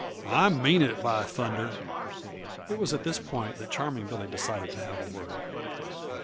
"I mean it, by thunder." It was at this point that Charming Billy decided to have a word.